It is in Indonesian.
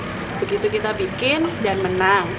begitu kita bikin dan menang